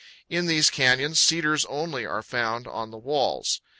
In these canyons cedars only are found on the walls.